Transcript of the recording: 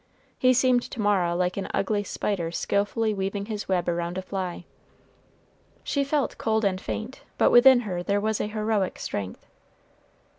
He seemed to Mara like an ugly spider skillfully weaving his web around a fly. She felt cold and faint; but within her there was a heroic strength.